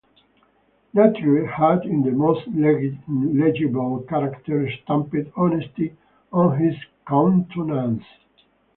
Nature had in the most legible characters stamped honesty on his countenance.